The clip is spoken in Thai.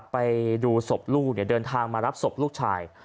ไปดูศพลูกเดินทางมารับศพลูกชาย